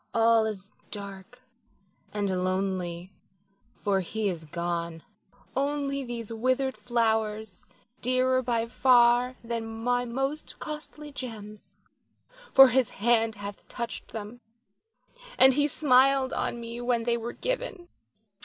All is dark and lonely, for he is gone. Only these withered flowers, dearer by far than my most costly gems, for his hand hath touched them, and he smiled on me when they were given.